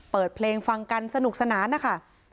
เปิดเพลงฟังกันสนุกสนานนะคะ